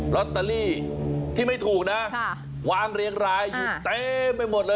ลอตเตอรี่ที่ไม่ถูกนะวางเรียงรายอยู่เต็มไปหมดเลย